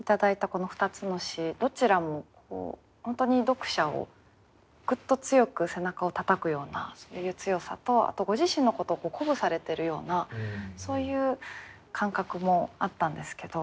この２つの詩どちらも本当に読者をグッと強く背中をたたくようなそういう強さとあとご自身のことを鼓舞されてるようなそういう感覚もあったんですけど